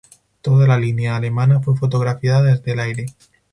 Toda la línea alemana fue fotografiada desde el aire.